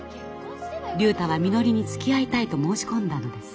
竜太はみのりにつきあいたいと申し込んだのです。